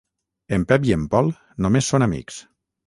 En Pep i en Pol només són amics.